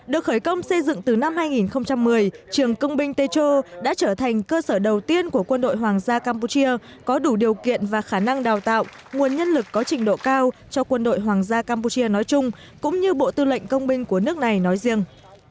được khởi công xây dựng từ năm hai nghìn một mươi trường công binh têcho đã trở thành cơ sở đầu tiên của quân đội hoàng gia campuchia có đủ điều kiện và khả năng đào tạo nguồn nhân lực có trình độ cao cho quân đội hoàng gia campuchia nói chung cũng như bộ tư lệnh công binh của nước này nói riêng